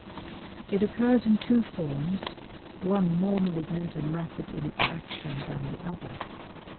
It occurs in two forms, one more malignant and rapid in its action than the other.